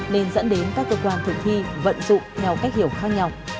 nên dẫn đến các cơ quan thử thi vận dụng nhau cách hiểu khác nhau